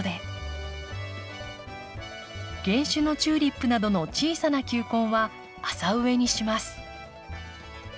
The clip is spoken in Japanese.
原種のチューリップなどの小さな球根は浅植えにします。